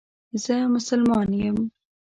زه مسلمان یم